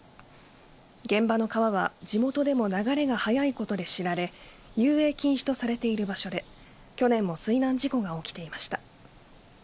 現場の川は地元でも流れが速いことで知られ遊泳禁止とされている場所で去年も水難事故が起きていました。